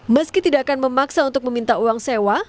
meski tidak akan memaksa untuk meminta uang sewa